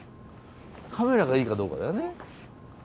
カメラがいいかどうかだよね。